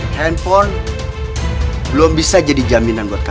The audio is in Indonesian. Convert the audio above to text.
handphone belum bisa jadi jaminan buat kami